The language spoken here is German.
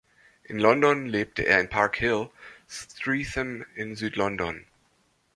In London lebte er in Park Hill, Streatham, in Süd-London.